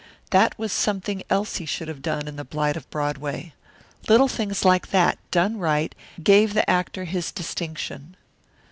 That was something else he should have done in The Blight of Broadway. Little things like that, done right, gave the actor his distinction.